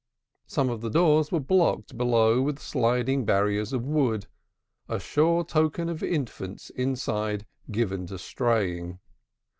Some of the doors were blocked below with sliding barriers of wood, a sure token of infants inside given to straying.